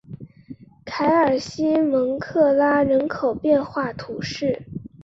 凯尔西的蒙克拉人口变化图示